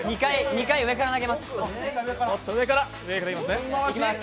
２回上から投げます。